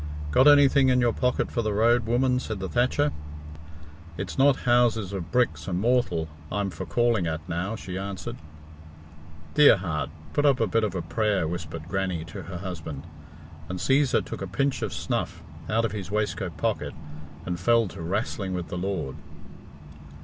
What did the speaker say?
"Got anything in your pocket for the road, woman?" said the thatcher. "It's not houses of bricks and mortal I'm for calling at now," she answered. "Dear heart! Put up a bit of a prayer," whispered Grannie to her husband; and Cæsar took a pinch of snuff out of his waistcoat pocket, and fell to "wrastling with the Lord."